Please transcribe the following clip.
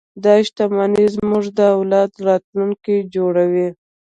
دا شتمنۍ زموږ د اولاد راتلونکی جوړوي.